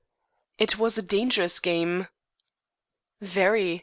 "It was a dangerous game!" "Very.